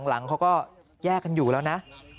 หลังเขาก็แยกกันอยู่แล้วนะ